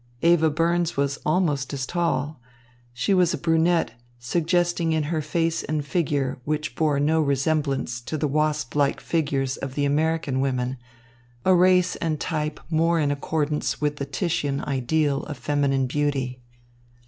Eva Burns was almost as tall. She was a brunette, suggesting in her face and figure, which bore no resemblance to the wasp like figures of the American women, a race and type more in accordance with the Titian ideal of feminine beauty.